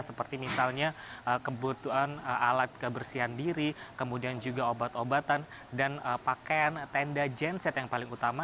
seperti misalnya kebutuhan alat kebersihan diri kemudian juga obat obatan dan pakaian tenda genset yang paling utama